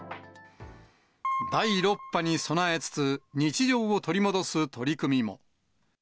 第６波に備えつつ、日常を取り戻す取り組みも。